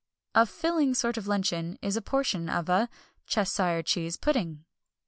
A "filling" sort of luncheon is a portion of a Cheshire Cheese Pudding.